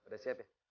udah siap ya